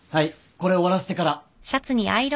これ終わらせてから。